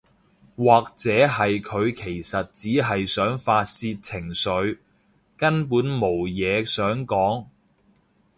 或者係佢其實只係想發洩情緒，根本無嘢想講